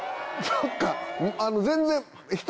そっか全然。